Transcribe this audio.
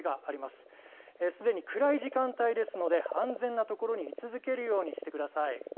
すでに暗い時間帯ですので安全な所に居続けるようにしてください。